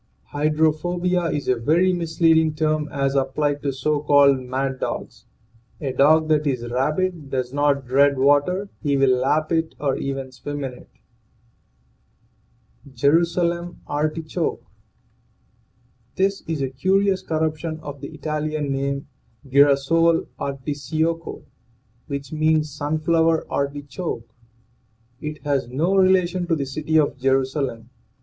HYDROPHOBIA is a very misleading term as applied to WORDS WHICH CONVEY ERRONEOUS IDEAS 223 so called mad dogs. A dog that is rabid does not dread water; he will lap it or even swim in it. JERUSALEM ARTICHOKE. This is a curious corruption of the Italian name, girasole articiocco, which means sunflower artichoke. It has no relation to the city of Jerusalem.